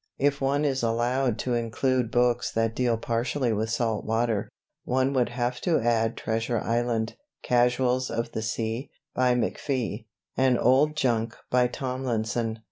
_ If one is allowed to include books that deal partially with salt water, one would have to add "Treasure Island," "Casuals of the Sea," by McFee, and "Old Junk," by Tomlinson.